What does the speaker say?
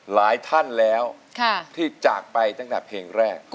หลายท่านแล้วที่จากไปตั้งแต่เพลงแรก